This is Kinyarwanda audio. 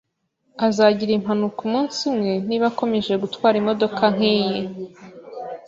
Azagira impanuka umunsi umwe niba akomeje gutwara imodoka nkiyi.